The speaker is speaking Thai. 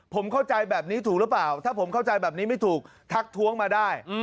ผมเข้าใจแบบนี้ถูกหรือเปล่าถ้าผมเข้าใจแบบนี้ไม่ถูกทักท้วงมาได้